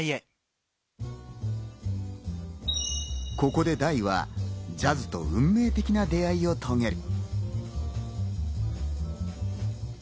ここで大はジャズと運命的な出会いを遂げる。